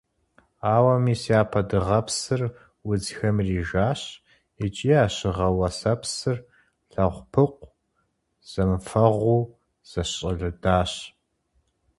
Ауэ мис япэ дыгъэпсыр удзхэм ирижащ икӀи а щыгъэ-уэсэпсыр лэгъупыкъу зэмыфэгъуу зэщӀэлыдащ.